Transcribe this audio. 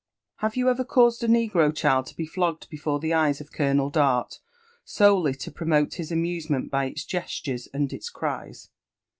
'' Have you ever caused a negro child to be %gg^d before, the eyes of Colonel Dart soiEiiV to promote his amusement by its gestures bnd its cries?"